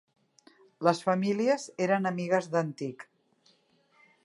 Les famílies eren amigues d'antic.